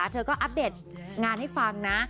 เธอก็อัปเดตงานให้ฟังนะ